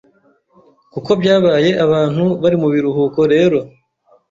Kuko byabaye abantu bari mu biruhuko rero,